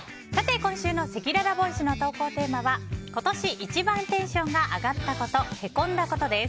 今週のせきららボイスの投稿テーマは今年一番テンションが上がったこと＆へこんだことです。